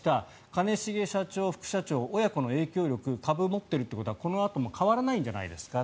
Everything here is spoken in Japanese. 兼重社長・副社長親子の影響力株を持っているっていうことはこのあとも変わらないんじゃないですか？